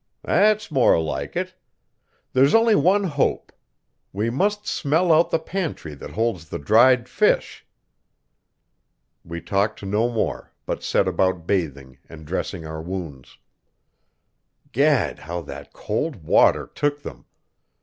"That's more like it. There's only one hope. We must smell out the pantry that holds the dried fish." We talked no more, but set about bathing and dressing our wounds. Gad, how that cold water took them!